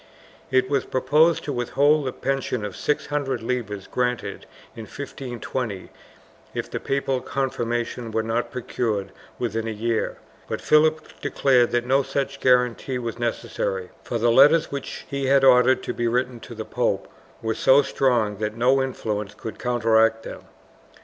It was proposed to withhold the pension of six hundred libras granted in 1520, if the papal confirmation were not procured within a year, but Philip declared that no such guarantee was necessary, for the letters which he had ordered to be written to the pope were so strong that no influence could counteract them.